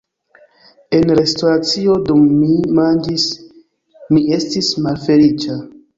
En restoracio dum mi manĝis, mi estis malfeliĉa.